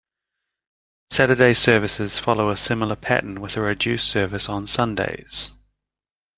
Saturday services follow a similar pattern with a reduced service on Sundays.